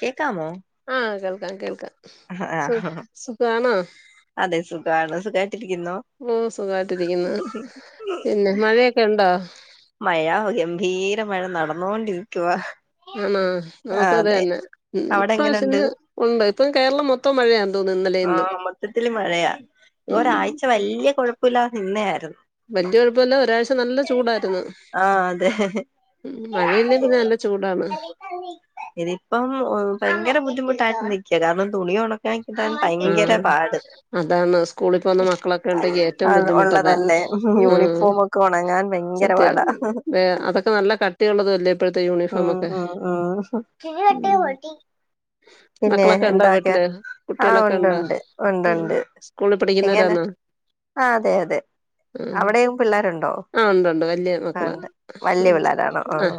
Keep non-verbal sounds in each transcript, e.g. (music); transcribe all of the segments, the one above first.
കേക്കാമോ? ക്കാം കേൾക്കാം സു ആഹ് സുഖാണോ? കണ് സുഖ ഓ സുഖായിട്ടിരിക്കുന്നു. പിന്നെ മഴയൊക്കെ ഉണ്ടോ? മഴ? ഗംഭീര മഴ നടന്നൊണ്ടിരിക്കുവ. ആണോ? നമുക്ക് അതെ തന്നെ. അവിടെ ഇപ്രാവശ്യം എങ്ങനുണ്ട് ഇന്ന് ഉണ്ട്. ഇപ്പം കേരളം മൊത്തം മഴയാ തോന്നുന്നു. ഇന്നലെ ഇന്നും ആഹ മൊത്തത്തില് മഴയാ ഉം ഒരാഴ്ച വലിയ കുഴപ്പയില്ലാതെ നിന്ന തായിരുന്നു. വല്യ കൊഴപ്പമല്ല ഒരാഴ്ച നല്ല ചൂടായിരുന്നു. ആഹ് അതെ ഉം മഴല്ലേ പിന്നെ നല്ല ചൂടാണ്. ഇനിയിപ്പം ഭയങ്കര ബുദ്ധിമുട്ടായിന്നിരിക്ക. കാരണം തുണി യൊണക്ക കിട്ടാൻ ഭയങ്കര ആഹ് പാട്. അതാണ് സ്കൂളിൽ പോകുന്ന മക്കളൊക്കെ ഉണ്ടെങ്കി അ ഏറ്റവും ബുദ്ധിമുട്ടതാ ഉള്ളതല്ലേ ഉം യൂണിഫോം ഒക്കെ ക്കൊണങ്ങാൻ ഭയങ്കര സത്യാ പാടാ. വേ അതൊക്കെ നല്ല കട്ടിയുള്ളതും അല്ലേ ഇപ്പോഴത്തെ ഉം യൂണിഫോമൊക്കെ ഉം ഉം ഉം പിന്നെ മക്കളൊക്കെ ഉണ്ടോ എന്താക്കെ വീട്ടില് ആഹ് കുട്ടികളൊക്കെ ഉണ്ടോ ഉണ്ട്ണ്ട് ഉം ഉം ഉണ്ട്ണ്ട് സ്കൂളിൽ എങ്ങനെ? പഠിക്കുന്നവരാന്നോ ആ അതെ, അതെ ആഹ് അവിടെയും പിള്ളേരുണ്ട്. ആ ഉണ്ടണ്ട് വലിയ മക്കള വല്യ പിള്ളേരാണോ ആ ആഹ്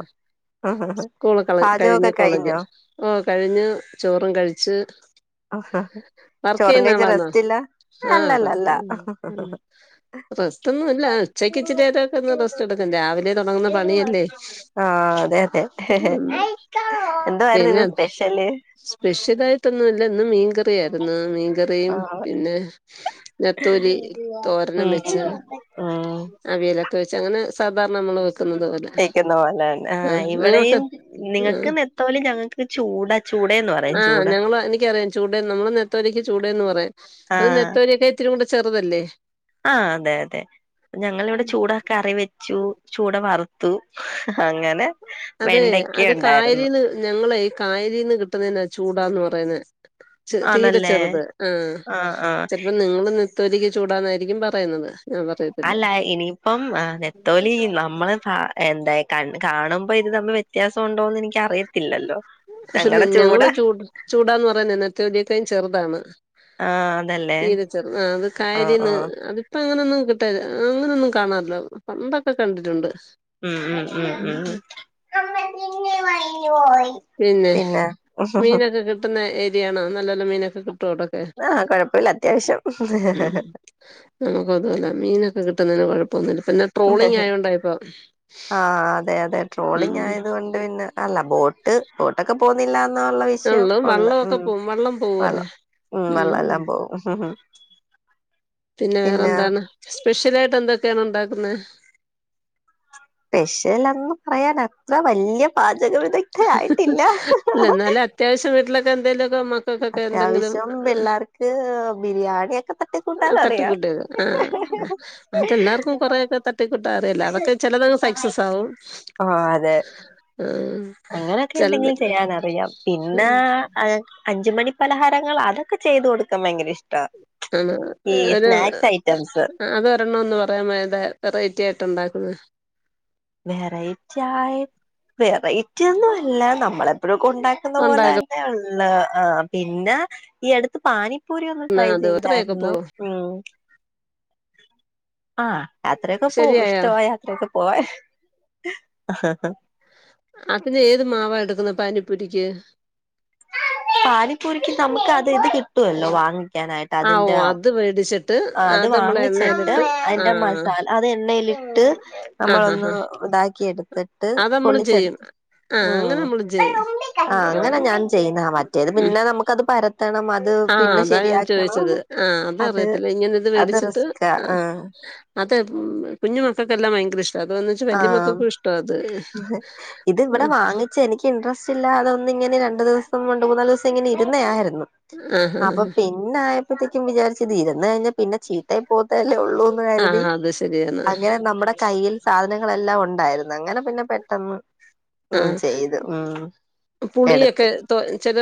സ്കൂള് കള കഴിഞ്ഞു പാചകമൊക്കെ കോളേജ്. കഴിഞ്ഞോ ഓ കഴിഞ്ഞ് ചോറും കഴിച്ച്. അഹ ഹ ചൊറ്കൈച്ച് റസ്റ്റില്ല. ആഹ റ റസ്റ്റ്ന്നുംല്ല. ഇച്ചിനേരൊക്കെ ഒന്ന് റസ്റ്റ് എടുക്കും. രാവിലെ തുടങ്ങുന്ന പണിയല്ലേ? ആഹ അതെ അതെ ഹേ ഹേ ഉം എന്തോായിരുന്നു. ഇന്ന് സ്പെഷ്യല്? സ്പെഷ്യൽ ആായിട്ടൊന്നുല്ല. ഇന്ന് മീൻകറിയായിരുന്നു. മീൻകറിയും ആഹ് പിന്നെ നത്തോലി തോരനും ഉം വെച്ച് ഉം അവിയലക്ക വച്ച് അങ്ങെ സാധാരണ നമ്മള്. വെക്കുന്നത് പോലെ യ്ക്കുന്ന പോലെ ന്നെ ആ ഇവിടെയും ആ നിങ്ങൾക്ക് നത്തോലി, ഞങ്ങൾക്ക് ചൂടാ ചൂടയെന്നു. ആ ഞങ്ങള് എനി- എനിക്കറിയാം. ചൂട് നമ്മള് നെത്തോലിക്ക് ചൂട എന്ന് പറയും. അത് നെത്തോലിയക്കെ ഇത്തിരിയും കൂടെ ചെറുതല്ലേ? ആ അതെ അതെ ഞങ്ങളിവിടെ ചൂട കറി വെച്ചു ചൂട വറുത്തു. ത്തു. അങ്ങനെ അതെ വെണ്ടയ്ക്ക അത് ഉണ്ടായിരുന്നു കായലീന്ന്, ഞങ്ങളെ കായലീന്ന് കിട്ടുന്നാതിനാ ചൂടാന്ന് പറയുന്നത്. ചെ തീരെ ആണല്ലേ ചെറുത് ആ ആഹ് ആഹ് ചിലപ്പോ നിങ്ങള് ന ലിക്ക് ചൂടാന്നായിരിക്കും പറയുന്നത്. ഞാൻ പറയത്തില്ല അല്ല ഇനിയിപ്പം മ ആ നെത്തോലി നമ്മള് ത എന്തായി കണ്ട് കാണുമ്പോ ഇത് തമ്മിൽ വ്യത്യാസംണ്ടോന്ന് എനിക്ക് അറിയത്തില്ലല്ലോ. പക്ഷെ ഞങ്ങടെ ചൂട നിങ്ങള് ചൂട് ചൂടാന്ന് പറഞ്ഞക നത്തോലിക്കാ ചെറുതാണ്. ആഹ് അതല്ലേ തീരെ ചെറുത് ആ അത് ആഹ് കായലീന്ന്. ആഹ് അതിപ്പ അങ്ങനൊന്നും. കിട്ട അങ്ങനെയൊന്നും കാണാറില്ല. പണ്ടൊക്കെ കണ്ടിട്ടുണ്ട്. ഉം ഉം ഉം ഉ പിന്നെ മീനൊക്കെ കിട്ടുന്ന ഏരിയ ആണോ? നല്ല നല്ല മീനൊക്കെ കിട്ടും തൊടകെ ആഹ് കൊഴപ്പല്ല മ് അത്യാവശ്യം നമുക്ക് അതുമല്ല മീനൊ കിട്ടുന്നതിന് കുഴപ്പൊന്നില്ല. ഹ് ഹ് ആ അതെ അതെ ഉം ട്രോളിങ് ആയത് കൊണ്ട് പിന്നെ അല്ല ബോട്ട് ബോട്ടൊക്കെ പോന്നില്ല ന്ന ഉള്ള വിഷയം ഉള്ളു ഉള്ള് വള്ളമൊക്കെ ഉം പോവും വള്ളം പോവുമല്ലോ വള്ളം ഉം വെള്ളല്ലാം പോകും. പിന്നെ വേറെ എന്താണ്. സ്പെഷ്യൽ ആയിട്ട് എന്തൊക്കെയാണ്? ഉണ്ടാക്കുന്നേ. സ്പെഷ്യൽന്ന് പറയാൻ അത്ര വലിയ പാച ജഗവതിക്ക ആയിട്ടില്ല. ഹ് ഹ് ഹ ഹേ മക്കൾക്കെ എന്തെങ്കിലും. പിള്ളേർക്ക് ബിരിയാണിയൊക്കെ തട്ടിക്കൂട്ടാൻ അറിയാം തട്ടിയുമുട്ടിയൊക്കെ? ആ അത് എല്ലാവർക്കും കൊറെക്കെ തട്ടിക്കുട്ടാ അറയില്ലോ അതൊക്കെ ചിലതങ്ങ് സയ്സസ് ആകും. ആ അതെ ആ അങ്ങനൊക്കെ ചിലത് എന്തെങ്കിലും ചെയ്യാനറിയാം. പിന്നെ ഉം അഞ്ചുമണി പലഹാരങ്ങൾ അതൊക്കെ ചെയ്ത് കൊടുക്കാൻ ഭയങ്കര ഇഷ്ട. ആ ഒരു അത് ഒരെണ്ണം എന്നു പറയാൻ വേണ്ടി വെറൈറ്റി ആയിട്ട് ഉണ്ടാക്കും മാ എം വെറൈറ്റി ആയി വെറൈറ്റി ഒന്നുല്ല നമ്മളെപ്പഴും ഉണ്ടാക്കുന്ന ഉണ്ടാക്കുന്ന പോലെന്നെ ഉള്ളൂ ആ പിന്നെ ഈ അടുത്ത് പാനി പ്പൂരി ഒന്ന് ട്രൈ അത് എത്രയൊക്കെ ചെയ്തായിരുന്നു പോവും ഉം ആ യാത്രയൊക്കെപോകും ശരിയായോ ഇഷ്ടമായാ യാത്രയൊക്കെ പോവാൻ ഹഹഹ അതിന് ഏതുമാവാ എടുക്കുന്ന പാനിപ്പുരിക്ക് പാനീപൂരിക്ക് നമുക്ക് അത് ഇത് കിട്ടുവല്ലോ വാങ്ങി ഉണ്ടാക്കാനായിട് ആ ഓ അതിന്റെ അത് മേടിച്ചിട്ട് അത് നമ്മൾ വാങ്ങിച്ചിട്ടു എണ്ണയിലിട്ട് ആ അതിന്റെമസാല അത് എണ്ണ ഇലിട്ട് ആ ഹാ നമ്മളൊന്ന് ഹാ ഇതാക്കി എടുത്തിട്ട് അത് നമ്മളും ചെയ്യും പൊള്ളിച്ചെടുത്ത് ആ ഉ അങ്ങനെ നമ്മളും ചെയ്യും ആ അങ്ങനെ ഞാൻ ചെയ്യുന്നാ മറ്റ ഉം. പിന്നെ നമുക്കത് പരത്തണം അത് ആ പിന്നെ അതാ ശരി ഞാൻ ആക്കി ചോദിച്ചത് ആ അതറിയത്തില്ല ഇങ്ങനെ ഇത് അത് മേടിച്ചിട്ട് റിസ്കാ ആ ഹ് ആഹ് അതെ കുഞ്ഞുമക്കൾക്കെല്ലാം ഭയങ്കര ഇഷ് ആ ഇത് ആ ഇവിടെ വാങ്ങിച്ച എനിക്ക് ഇൻട്രസ്റ്റ് ഇല്ല അതൊന്ന്ഇങ്ങനെ രണ്ട് ദിവസം കൊണ്ട് രണ്ട്മൂന്നാല് ദിവസം ഇരുന്നആയിരുന്നു ആ ഹാ അപ്പൊ ഹാ. പിന്നെ ആയപ്പോത്തേക്കും വിചാരിച്ചത് ഇരന്ന് കഴിഞ്ഞാൽ പിന്നെ ചീത്തആയിപ്പോകും ല്ലേ ആ ഉള്ളൂന്ന്കരുതി അത് ശരിയാണ് അങ്ങനെ നമ്മുടെ കയ്യിൽ സാധനങ്ങളെല്ലാം ഉണ്ടായിരുന്നു അങ്ങനെ പിന്നെ പെട്ടെന്ന് ആ ഉം ചെയ്തു ഉം എടുത്ത് പുളിയൊക്കെ ചില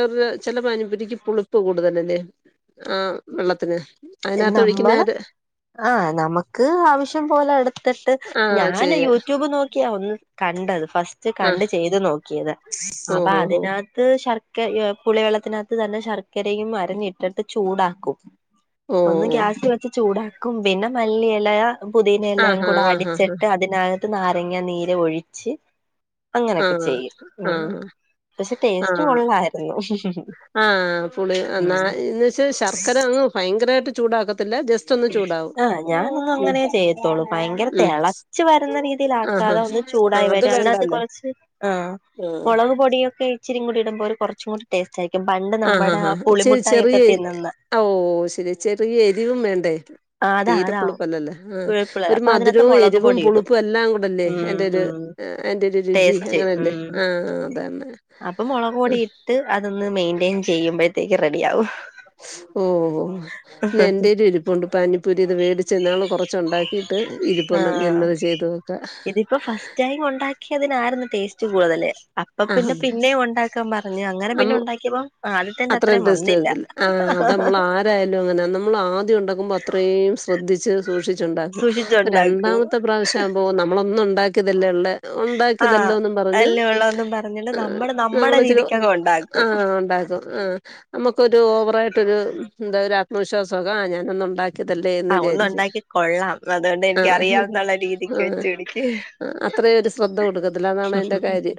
ചില പാനിപൂരിക്ക് പുളി ഉപ്പ കൂടുതലല്ലേ ആ വെള്ളത്തിന് അതിനകത്ത് ഒഴിക്കുന്നതാര് ആ നമുക്ക് ആവശ്യം പോലെ എടുത്തിട്ട് ആഹ് ഞാന് ചെയ്യാ യൂട്യൂബ് നോക്കിയാ ഇതിൽ കണ്ടത് ഫസ്റ്റ് ആഹ് കണ്ട് ചെയ്ത് നോകിയതാ അപ്പൊ ഓഹോ ഹോ അതിനകത്ത് ശർ ക്കെ യെ പുളി വെള്ളത്തിനകത്ത് തന്നെ ശർക്കരയും മരഞ്ഞിട്ടിട്ട് ചൂടാക്കും ഓ ഒന്ന് ഗ്യാസ് വെച്ച് ചൂടാക്കും പിന്നെ മല്ലിയെല പുതിന എല്ലാം ആഹാ കൂടെ ആഹാ അടിച്ചിട്ട് അതിനകത്ത് നാരങ്ങ നീര് ഒഴിച്ച് ആ അങ്ങനൊക്കെ ചെയ്യും ഉം ആഹ് പക്ഷെ ടേസ്റ്റ് കൊള്ളായിരുന്നു ആഹ പുളി എന്ന ഉം എന്നന്ന് വെച്ച ശർക്കര അങ്ങ് ഭയങ്കരമായിട്ട് ചൂടാക്ക ആഹ് ഞാനൊന്നു ഉം അങ്ങനെ ചെയ്യാത്തൊള്ളൂ ഭയങ്കര ഉം തേളച്ചു വരുന്ന രീതിൽ ആ ആഹാ ക്കാതെ ഒന്ന് ആ ചൂടായി അത് വരും അതിനകത്ത് വേണ്ടല്ലേ കുറച്ച് ആഹ് ആഹ് മുളക് പൊടിയൊക്കെ ഇച്ചിരികൂടി ഇടുമ്പോ ഒരു കുറച്ചും കൂടി ടേസ്റ്റ് ആയിരിക്കും പണ്ട് ആ ആാ നമ്മുടെ ഹാ ചെ പുളിമുട്ടായി ചെറിയ ഒക്കെ തിന്നുന്ന ഓ ശെരി ചെറിയ എരിവും വേണ്ടേ ആഹ് അതാ അതാ തീരപ്പുളിപ്പല്ലല്ലേ ആഹ പുഴുപ്പുള്ള ഒരു അപ്പൊ അതിനകത്ത് മധുരവും, മുളക് എരിവും, പൊടി ഇടും പുളിപ്പും എല്ലാം ഉണ്ടല്ലോ ഉം എന്റെ ഒരു ഉം അന്റെ ഒരു രുചി ടേസ്റ്റ് അങ്ങനെയല്ലേ ഉം ആഹ അതന്നെ അപ്പൊ മുളക് പൊടി ഇട്ട് അതൊന്ന് മെയിന്റെയിൻ ചെയ്യുമ്പോഴത്തേക്ക് റെഡിയാവും ഓ നിന്റെരു ഇപ്പണ്ട് പാനിപ്പൊരി ഇത് വേടിച്ച നാൾ കുറച്ച ഉണ്ടാക്കി ആ ഇതിപ്പോ ഫസ്റ്റ്ടൈം ഉണ്ടാക്കിയതിനാരുന്നു ടേസ്റ്റ്‌ ഉവ്വ് അതല്ലേ അപ്പൊ പിന്നെ ആഹ് പിന്നേം ഉണ്ടാക്കാൻ പറഞ്ഞു അങ്ങനെ പിന്നെ ഉണ്ടാക്കിയപ്പോ അത്രേം ടെസ്റ്റുവരത്തില്ല ആ അതുനമ്മൾ ആരായാലും അങ്ങനാ നമ്മൾ ആദ്യം ഉണ്ടാക്കുമ്പോ അത്രയും ശ്രദ്ധിച്ച് സൂക്ഷിച്ചുണ്ടാക്കും അപ്പോ സൂക്ഷിച്ചുണ്ടാക്കൂ രണ്ടാമത്തെ പ്രാവശ്യം ആവുമ്പോ നമ്മളൊന്നും ഉണ്ടാക്കിയതല്ല ഉള്ള ആഹ് ഉണ്ടാക്കിയതല്ലോന്നും പറഞ്ഞ് അല്ല ഉള്ളതൊന്നും പറഞ്ഞിട്ട് ആ നമ്മുടെ നമ്മുടെ നമ്മൾച്ചിരി രീതിക്കങ്ങ് ആ ഉണ്ടാക്കും ഉണ്ടാക്കും ആ നമുക്കൊരു ഓവറായിട്ടൊരു എന്താ ഒരു ആത്മവിശ്യസമൊക്കെ ആ ഞാനന്ന് ഉണ്ടാക്കി ഇതല്ലേ ന്നു ആഹ് വിചാരിക്ക ഒന്നുണ്ടാക്കി കൊള്ളാം അതുകൊണ്ട് ആ ഹം എനിക്കറിയാം എന്നുള്ള രീതിക്ക് ആ വെച്ച് പിടിക്ക് ഹം അത്ര ഒരു ശ്രദ്ധ കൊടുക്കത്തില്ല അതാണ് എന്റെ കാര്യം.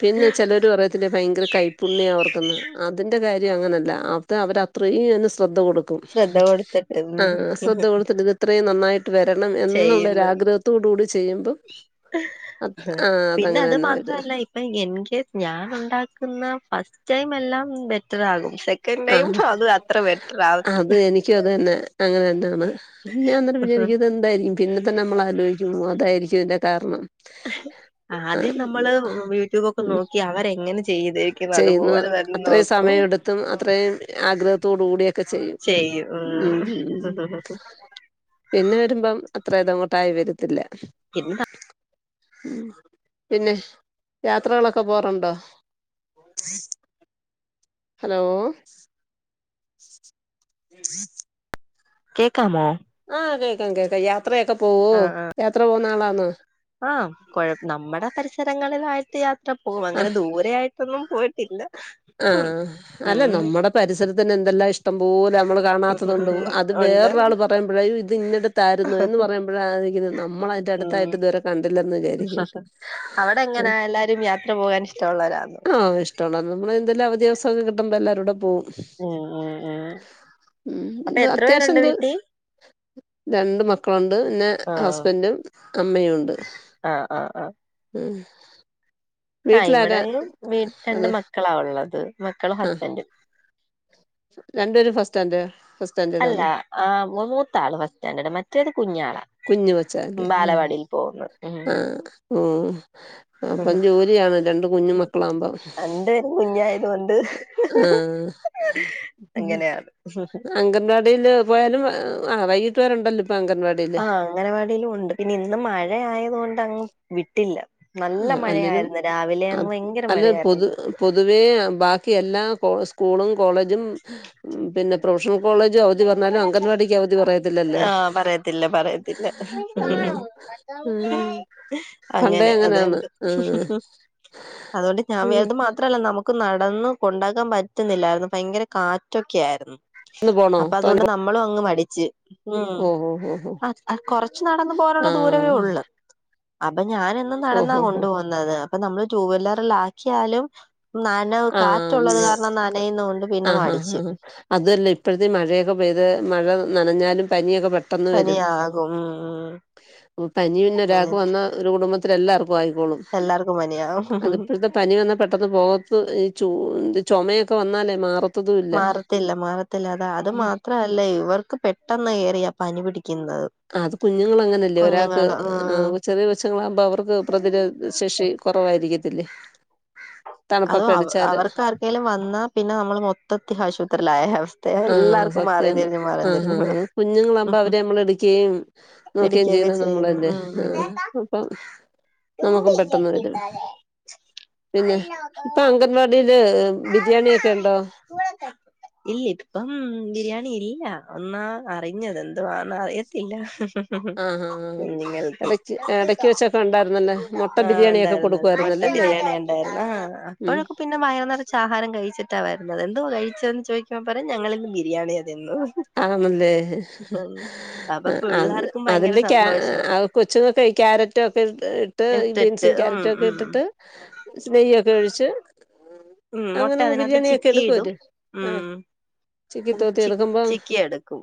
പിന്നെ ചിലര് പറയത്തില്ലേ ഭയങ്കര കൈപ് പുണ്യം അവർക്കന്ന് അതിന്റെ കാര്യം അങ്ങനല്ല അത് അവർത്രയും അതിന് ശ്രദ്ധ കൊടുക്കും ശ്രദ്ധ കൊടുത്തിട്ട് ആ ഉം ശ്രദ്ധ കൊടുത്തിട്ട ഇത് ഇത്രയും നന്നായിട്ട് വരണം എന്നുള്ള ഒരാഗ്രഹത്തോട കൂടി ചെയ്യുമ്പം ഹേ അത് ഹ് ആ പിന്നെ അതങ്ങനെ അത് തന്നെ വരിക മാത്രല്ല ഇപ്പൊ എൻ കേ ഞൻ ഉണ്ടാക്കുന്ന ഫസ്റ്റ് ടൈം എല്ലാം ബെറ്റർ ആകും സെക്കൻഡ് ഹാ ടൈം അത് അത്ര ബെറ്റർ അത് എനിക്കും അത് തന്നെ അങ്ങനെതന്നെ ഞാൻ ന്നട്ട്‌ ആവത്തില്ല വിചാരിക്കും ഇത് എന്തായിരിക്കും പിന്നെതന്നെ നമ്മൾ ആലോചിക്കും അതായിരിക്കും തിന്റെ കാരണം. ആ ആദ്യം ഉം നമ്മള് യൂട്യൂബൊക്കെ നോക്കി അവര് എങ്ങനെ ചെയ്യുന്ന അത്രയും സമയംയെടുത്തും അത്രയും ആഗ്രഹത്തോട കൂടിയൊക്കെ ചെയ്യും. ഉം അ ഉം (unintelligible) പിന്നെ വരുമ്പം അത്ര ഇതങ്ങോട്ടായി വരത്തില്ല. എന്താ ഉം പിന്നെ യാത്രകളൊക്കെ പോവാറുണ്ടോ? ഹലോ. (inaudible) കേക്കാമോ? ആ കേക്കാം കേക്കാം യാത്രയൊക്കെ പോവോ യാത്ര പോകുന്ന ആളാന്നോ? ആ കൊഴ നമ്മടെ പരിസരങ്ങളിലായിട്ട് യാത്ര പോകും അങ്ങനെ ദൂരെ ആയിട്ടൊന്നും പോയി ആ അല്ല നമ്മടെ പരിസരത്തന്നെ എന്തെല്ലാം ഇഷ്ട ഷ്ടം മ്പോലെ നമ്മള് കാണാത്തതുണ്ട് അത് ഉണ്ട് വേറൊരാള് പറയുമ്പോഴ ഇത് ഇന്നെടുത്തായിരുന്നു എന്ന് പറയുമ്പോഴ (unintelligible) വിചാരിക്കും അവടെ ങ്ങെനാ എല്ലാരും യാത്ര പോകാൻ? ഇഷ്ടള്ളോരാന്ന്. നമ്മെള് ന്തെല്ലാം അവധി ദിവസോം ക്കെ കിട്ടുമ്പോ എല്ലാരൂടെ പോവും. ഉം ഉം ഉം അപ്പൊ ഉം എത്ര അത്യാവശ്യം പേരുണ്ട് ന്ത്? വീട്ടി രണ്ട് മക്കളൊണ്ട് ണ്ട് നെ ആഹ് ഹസ്ബൻറും അമ്മയും ഉണ്ട്. ആഹ് ആ വീട്ടിലാരാ ഇവിടെയും വീട്ട രണ്ട് അതെ മക്കളാള്ളത് മക്കളും ആ ഹസ്ബൻറും. (inaudible) രണ്ടുപേരും ഫസ് സ്റ്റാൻഡ്‌ ഫസ്റ്റ് അല്ല സ്റ്റാൻഡേതാന്ന്. ആഹ് മൂ മൂത്താള് ഫസ്റ്റ് സ്റ്റാൻഡേർഡ് മറ്റേത് കുഞ്ഞാളാ കുഞ്ഞുവച്ചാ (unintelligible) ബാലവാടിയിൽ പോകുന്നു ആ ഓ ഉം അപ്പം ജോലിയാണ് രണ്ട് കുഞ്ഞു മക്കളാവുമ്പോ. രണ്ട് പേരും കുഞ്ഞായത് കൊണ്ട് ആ അങ്ങനെയാണ് അങ്കൻവാടില്. പോയാലും ആ വൈകിട്ട് വരുണ്ടല്ലോ ആ അംഗനവാടിയിലും ഉണ്ട് പിന്നെ ഇന്ന് മഴ ആയതൊണ്ട് അങ്ങ് വിട്ടില്ല. നല്ല ആ അല്ലേലും മഴയായിരുന്നു രാവിലെ അങ്ങ് ഭയങ്കര അല്ല മഴയായിരുന്നു പൊതു പൊതുവെ ബാക്കി എല്ലാ കോഴസും കൂളും കോളേജും പിന്നെ പ്രൊഫഷണൽ കോളേജും അവധി പറഞ്ഞാലും അംഗൻവാടിക്ക് അവധി പറയത്തില്ലല്ലേ ആ പറയത്തില്ല പറയത്തില്ല. ആ ആ പണ്ടേ അങ്ങനെ അതെ. അങ്ങനെയാണ് ആ അതുകൊണ്ട് ഞാൻ ഉം. (unintelligible) മാത്രല്ല നമുക്ക് നടന്ന് കൊണ്ടാക്കാൻ പറ്റുന്നില്ലാര്ന്നു ഭയങ്കര കാറ്റൊക്കെ ആായിരുന്നു. ഇന്ന് പോകണോ പ്പൊ തോനെ അതുകൊണ്ട് പോ- നമ്മളും അങ്ങ് മടിച്ച്. ഉം ഓ ഓ ഓ ഓ അ കൊറച്ച് നടന്ന് പോവനുള്ള ആഹ് ദൂരവേഒള്ള് പ്പൊ ഞാനെന്നും നടന്നാ ഓഹോ ഹോ കൊണ്ടു പോകുന്നത് അപ്പൊ നമ്മള് ടൂവില്ലറിലാ ക്കിയാലും ആ നനയുന്നോണ്ട് പിന്നെ മടിച്ച് (unintelligible) അതല്ല ഇപ്പഴത്തെ മഴ (unintelligible) (unintelligible) പെയ്ത് മഴ നനഞ്ഞാലും പനിയൊക്കെ പെട്ടാ പെട്ടന്ന് വരും പനിയാകും ഉം ഉം. പനി പിന്നെ അങ്ങനെ ഒരാക്ക് വന്ന ഒരു കുടുംമ്പാ ത്തിലെല്ലാർക്കും ആയിക്കോളും എല്ലാർക്കും പനിയാകും അത്പ്പോഴത്തെ പനി വന്ന പെട്ടെന്ന് പോക ഈ ച്ചു ചൊമയൊക്കെ വന്നാലേ മാറത്ത് മാറത്തില്ല മാറത്തില്ല അത അത് ഉം. മാത്രല്ലയ് ഇവർക്ക് പെട്ടെന്ന് ഏറിയ പനി പിടിക്ക് അത് കുഞ്ഞുങ്ങളങ്ങനല്ലേ ഒരാൾക്ക് കുഞ്ഞുങ്ങള് ഉം ചെറിയ കൊച്ചുങ്ങളകുമ്പോ അവർക്ക് പ്രതിരോധശേഷി കൊറവായിരിക്കത്തില്ലേ. (unintelligible) അവ അവർക്ക് ആർക്കെങ്കലും വന്നാ പിന്നെ നമ്മൾ മൊത്തത്തി ആശുപത്രിയിലായ അവസ്ഥ എല്ലാർക്കും മാറേം സത്യന്ന് തിരിഞ്ഞ് മാറേം ആ തിരിഞ്ഞ് കുഞ്ഞുളവുമ്പോ ഉം അവരെ നമ്മൾ എടുക്കേം (unintelligible) നോക്കെയും പിടിക്കൊക്കെ ചെയ്യുന്ന നമ്മള് ചെയ്യുന്നു അല്ലെ ഉം അ അപ്പം ഉം നമുക്കും പെട്ടെന്ന് വരും ഇല്ല പിന്നെ ഇപ്പൊ അംഗൻവാടി (unintelligible) ബിരിയാണി ഒക്കെ ഉണ്ടോ? ഇതിപ്പം ബിരിയാണി ഇല്ല ഒന്നാ അറിഞ്ഞത് എന്തുവാന്നാ അറിയത്തില്ല. ആ ആ ആ കുഞ്ഞുങ്ങൾക്ക് ഇടക്ക് ഇടക്ക് വെച്ചൊക്കെ ഉണ്ടായിരുന്നല്ലേ മുട്ട ബിരിയാണി ഒക്കെ കൊടുക്കു ആയിരുന്ന മുട്ട ബിരിയാണി ഉണ്ടായിരുന്നു ആ അപ്പോഴക്കെ പിന്നെ വയറ് നിറച്ച് ആഹാരം കഴിച്ചിട്ടാ വരുന്നത് എന്തോ കഴിച്ചത് ന്ന് ചോദിക്കുമ്പ പറയും ഞങ്ങളിന്ന് ബിരിയാണി ആരുന്നു. ആന്നല്ലേ ഉം അപ്പൊ അത് പിള്ളേർക്കും ഭയങ്കര അതില് ക സന്തോഷം അ കൊച്ച്ങ്ങക്കെ ക്യാരറ്റ് ഒക്കെ ഇട്ട് ഇ ഇട്ടിട്ട് ബീൻസി ഉം കാരറ്റ് ഒക്കെ ഉം ഇട്ടിട്ട് സ് നെയ്യൊക്കെ ഒഴിച്ച് ഉം മുട്ട അങ്ങനെ അതിനകത്ത് ബിരിയാണിയാക്കി ചിക്കിയിടും എടുക്കുവര് ആ ഉം ചിക്കൻ തോത്തി എടുക്കുമ്പം ക്കി എടുക്കും.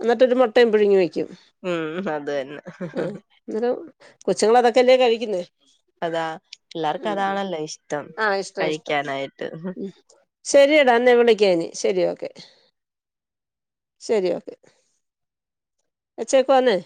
എന്നിട്ടൊരു മുട്ടയും പുഴുങ്ങി വയ്ക്കും. ഉം അത് തന്നെ ആ അന്നരം കൊച്ചുങ്ങള് അതൊക്കെല്ലേ കഴിക്കുന്നേ. അതാ എല്ലാർക്കും ഉം അതാണല്ലോ ഇഷ്ടം ആഹ് ഇഷ്ട ഇഷ്ടം കഴിക്കാനായിട്ട്. ശരിയടാ അന്നെ വിളിക്കാ ഇനി ശരി ഓക്കെ ശരി ഓക്കെ എച്ചേക്കുവാന്നേ.